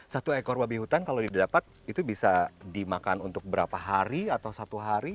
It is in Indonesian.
satu ekor babi hutan kalau didapat itu bisa dimakan untuk berapa hari atau satu hari